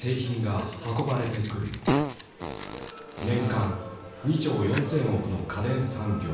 年間２兆４，０００億の家電産業。